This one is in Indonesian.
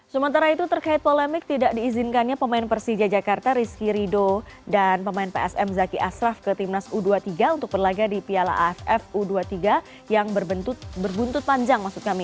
sementara itu terkait polemik tidak diizinkannya pemain persija jakarta rizky rido dan pemain psm zaki ashraf ke timnas u dua puluh tiga untuk berlaga di piala aff u dua puluh tiga yang berbuntut panjang